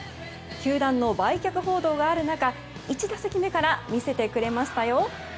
球団の売却報道がある中１打席目から見せてくれました。ね？